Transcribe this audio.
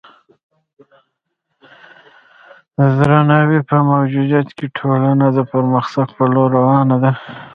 د درناوي په موجودیت کې ټولنه د پرمختګ په لور روانه ده.